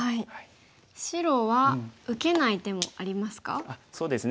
白は受けない手もありますか？